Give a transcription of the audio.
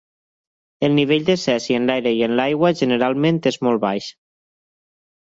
El nivell de cesi en l'aire i en l'aigua generalment és molt baix.